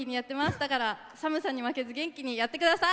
だから寒さに負けず元気にやってください！